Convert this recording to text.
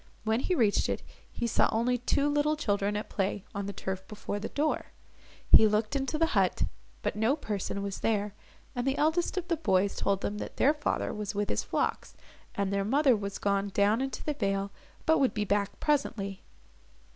When he reached it, he saw only two little children, at play, on the turf before the door. He looked into the hut, but no person was there, and the eldest of the boys told him that their father was with his flocks, and their mother was gone down into the vale, but would be back presently.